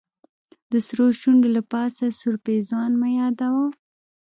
د سرو شونډو له پاسه سور پېزوان مه يادوه